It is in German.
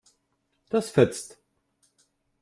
Das fetzt.